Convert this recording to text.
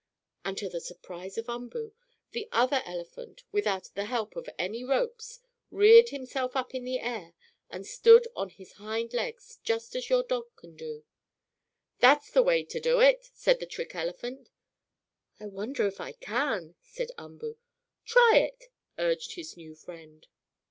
And, to the surprise of Umboo, the other elephant, without the help of any ropes, reared himself up in the air and stood on his hind legs just as your dog can do. "That's the way to do it!" said the trick elephant. "I wonder if I can?" said Umboo. "Try it," urged his new friend.